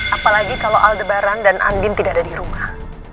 apalagi kalo aldebaran dan andin tidak ada dirumah